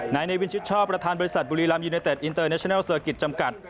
นายนายวินชิชช่อประธานบริษัทบุรีรัมย์ยูเนเจษอินเตอร์เนชันเนลเซอร์กิจจำกัด